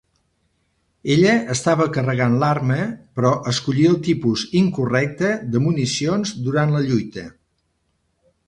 Ella estava carregant l'arma, però escollí el tipus incorrecte de municions durant la lluita.